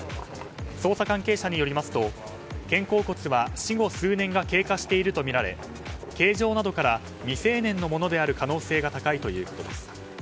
捜査関係者によりますと肩甲骨は死後数年が経過しているとみられ形状などから未成年のものである可能性が高いということです。